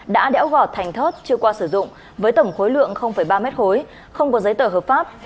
đã đéo gọt thành thớt chưa qua sử dụng với tổng khối lượng ba mét khối không có giấy tờ hợp pháp